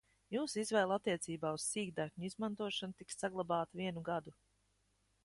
Jūsu izvēle attiecībā uz sīkdatņu izmantošanu tiks saglabāta vienu gadu.